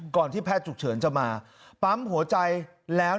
ที่แพทย์ฉุกเฉินจะมาปั๊มหัวใจแล้ว